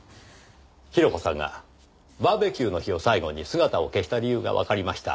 広子さんがバーベキューの日を最後に姿を消した理由がわかりました。